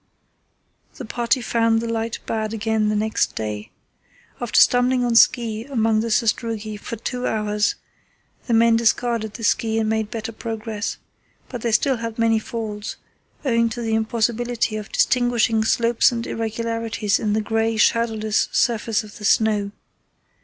The party found the light bad again the next day. After stumbling on ski among the sastrugi for two hours, the men discarded the ski and made better progress; but they still had many falls, owing to the impossibility of distinguishing slopes and irregularities in the grey, shadowless surface of the snow.